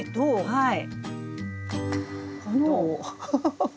はい。